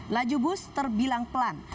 laju bus terbilang pelan